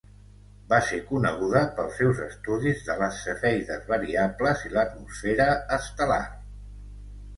Va ser coneguda pels seus estudis de les cefeides variables i l'atmosfera estel·lar.